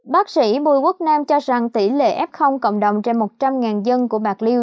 bác sĩ bùi quốc nam cho rằng tỷ lệ f cộng đồng trên một trăm linh dân của bạc liêu